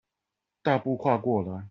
大步跨過來